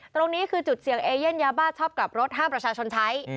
ตรงนี้คือจุดเสี่ยงเอเย่นยาบ้าชอบกลับรถห้ามประชาชนใช้